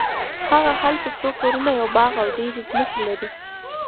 هغه هلته څو کورونه یو باغ او ډېرې ځمکې لري.